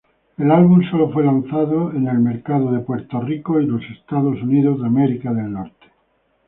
El álbum sólo fue lanzado al mercado a Puerto Rico y Estados Unidos.